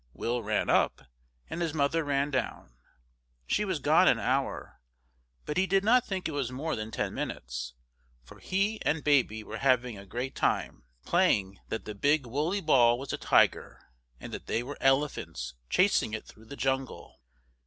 Will ran up, and his mother ran down. She was gone an hour, but he did not think it was more than ten minutes, for he and baby were having a great time, playing that the big woolly ball was a tiger, and that they were elephants chasing it through the jungle.